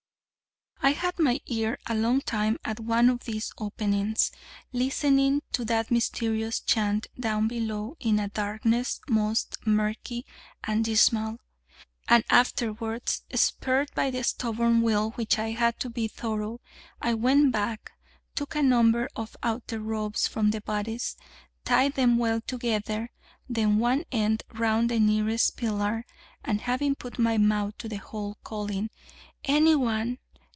I had my ear a long time at one of these openings, listening to that mysterious chant down below in a darkness most murky and dismal; and afterwards, spurred by the stubborn will which I had to be thorough, I went back, took a number of outer robes from the bodies, tied them well together, then one end round the nearest pillar, and having put my mouth to the hole, calling: _'Anyone?